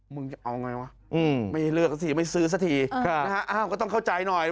มึงจะเอาไงวะไม่ให้เลือกสักทีไม่ซื้อสักทีนะฮะอ้าวก็ต้องเข้าใจหน่อย